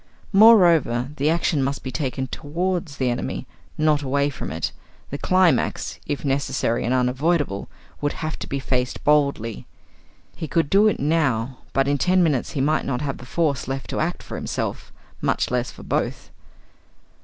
Moreover, the action must be taken towards the enemy, not away from it; the climax, if necessary and unavoidable, would have to be faced boldly. He could do it now; but in ten minutes he might not have the force left to act for himself, much less for both!